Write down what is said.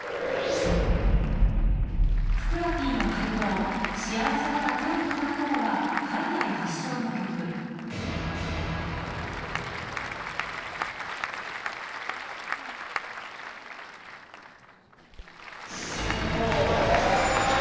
ふくらＰの解答『幸せなら手をたたこう』は海外発祥の曲およかったよかった。